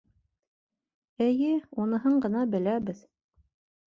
— Эйе, уныһын ғына беләбеҙ.